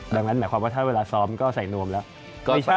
ดังนั้นหมายความว่าถ้าเวลาซ้อมก็ใส่นวมแล้ว